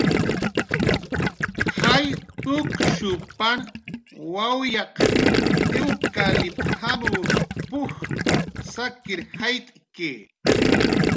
"Jall tukshupan wawyaq iwkaliptjamaw p""uj sakir jayt'ki."